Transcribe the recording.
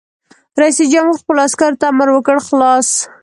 رئیس جمهور خپلو عسکرو ته امر وکړ؛ خلاص!